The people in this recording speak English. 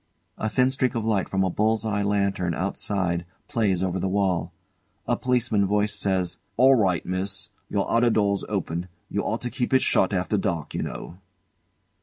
A thin streak of light from a bull's eye lantern outside plays over the wall. A Policeman's voice says: "All right, Miss. Your outer door's open. You ought to keep it shut after dark, you know."